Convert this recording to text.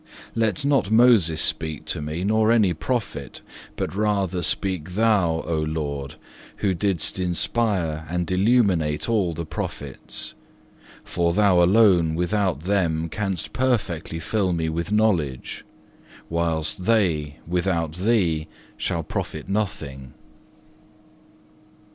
Let not Moses speak to me, nor any prophet, but rather speak Thou, O Lord, who didst inspire and illuminate all the prophets; for Thou alone without them canst perfectly fill me with knowledge, whilst they without Thee shall profit nothing.